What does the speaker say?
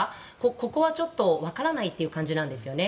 ここはちょっと分からないという感じなんですよね。